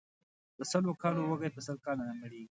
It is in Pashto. د سلو کالو وږى ، په سل کاله نه مړېږي.